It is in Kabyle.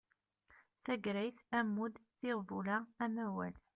Tagrayt, ammud, tiɣbula, amawal